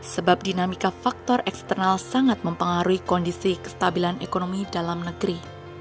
sebab dinamika faktor eksternal sangat mempengaruhi kondisi kestabilan ekonomi dalam negeri